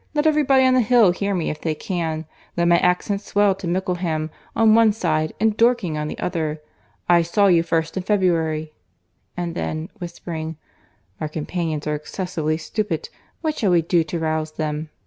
Let every body on the Hill hear me if they can. Let my accents swell to Mickleham on one side, and Dorking on the other. I saw you first in February." And then whispering—"Our companions are excessively stupid. What shall we do to rouse them?